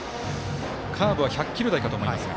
カーブは１００キロ台かと思いますが。